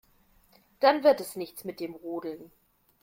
Dann wird es nichts mit dem Rodeln.